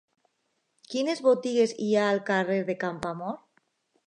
Quines botigues hi ha al carrer de Campoamor?